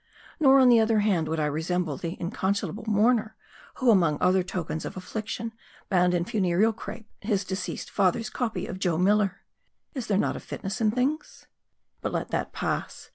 Nor, on the other hand, would I resemble the inconsolable mourner, who among other tokens of affliction, bound in funereal crape his deceased friend's copy of Joe Miller. Is there not a fitness in things ? But let that pass.